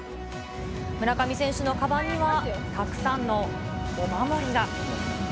村上選手のかばんには、たくさんのお守りが。